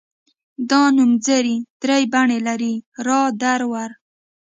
دا نومځري درې بڼې لري را در ور.